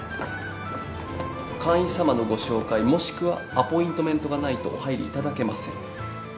会員さまのご紹介もしくはアポイントメントがないとお入りいただけません。